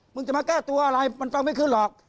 จะมาแก้ตัวอะไรมันฟังไม่ขึ้นหรอก